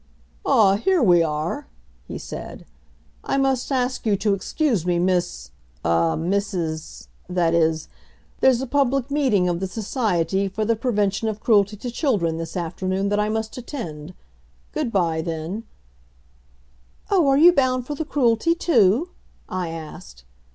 "Ah, here we are!" he said. "I must ask you to excuse me, Miss ah, Mrs. that is there's a public meeting of the Society for the Prevention of Cruelty to Children this afternoon that I must attend. Good by, then " "Oh, are you bound for the Cruelty, too?" I asked.